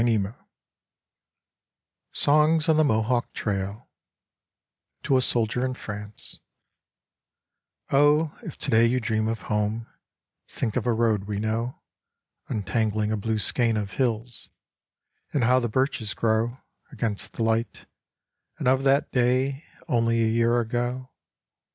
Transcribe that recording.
9 SONGS ON THE MOHAWK TRAIL To a Soldier in France Oh, if today you dream of home, Think of a road we know, Untangling a blue skein of hills : And how the birches grow Against the light: and of that day Only a year ago